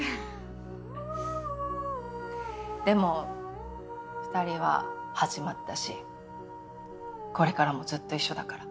でも二人は始まったしこれからもずっと一緒だから。